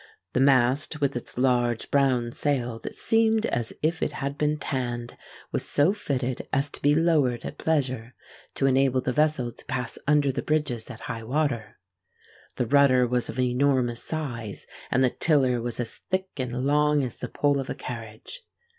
The mast, with its large brown sail that seemed as if it had been tanned, was so fitted as to be lowered at pleasure, to enable the vessel to pass under the bridges at high water. The rudder was of enormous size; and the tiller was as thick and long as the pole of a carriage.